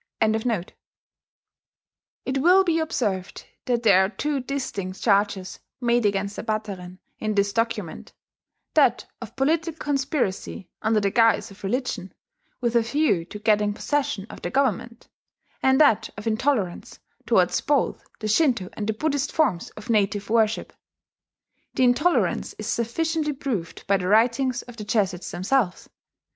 ] It will be observed that there are two distinct charges made against the Bateren in this document, that of political conspiracy under the guise of religion, with a view to getting possession of the government; and that of intolerance, towards both the Shinto and the Buddhist forms of native worship. The intolerance is sufficiently proved by the writings of the Jesuits themselves.